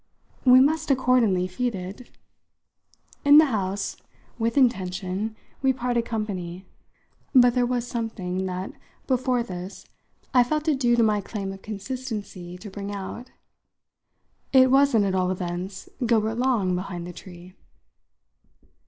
"We must accordingly feed it." In the house, with intention, we parted company; but there was something that, before this, I felt it due to my claim of consistency to bring out. "It wasn't, at all events, Gilbert Long behind the tree!"